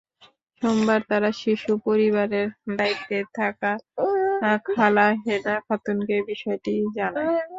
সোমবার তারা শিশু পরিবারের দায়িত্বে থাকা খালা হেনা খাতুনকে বিষয়টি জানায়।